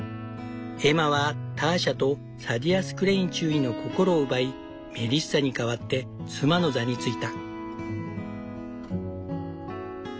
エマはターシャとサディアス・クレイン中尉の心を奪いメリッサに代わって妻の座に就いた。